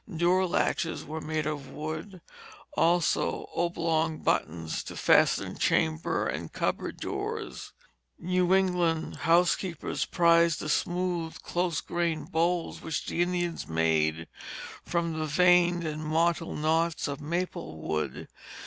Door latches were made of wood, also oblong buttons to fasten chamber and cupboard doors. New England housekeepers prized the smooth, close grained bowls which the Indians made from the veined and mottled knots of maple wood.